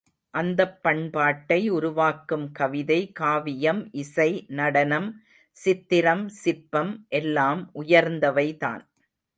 அந்தப் பண்பாட்டை உருவாக்கும் கவிதை, காவியம், இசை, நடனம், சித்திரம், சிற்பம் எல்லாம் உயர்ந்தவைதான்.